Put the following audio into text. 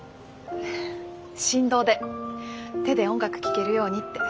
振動で手で音楽聴けるようにって。